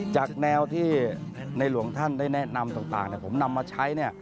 จากแนวที่ในหลวงท่านได้แนะนำต่างผมนำมาใช้